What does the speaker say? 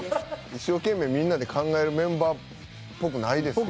一生懸命みんなで考えるメンバーっぽくないですけどね。